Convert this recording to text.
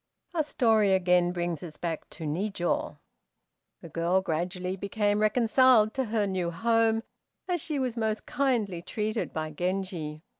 Our story again brings us back to Nijiô. The girl gradually became reconciled to her new home, as she was most kindly treated by Genji.